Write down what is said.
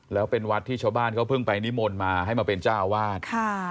แล้วเป็นวัดที่ชาวบ้านเขาเพิ่งไปนิมนต์มาให้มาเป็นเจ้าอาวาส